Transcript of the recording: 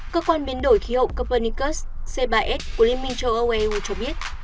cơ quan biến đổi khí hậu copernicus c ba s của liên minh châu âu eo cho biết